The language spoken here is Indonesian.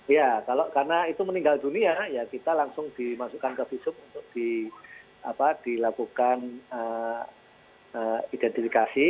ya kalau karena itu meninggal dunia ya kita langsung dimasukkan ke visum untuk dilakukan identifikasi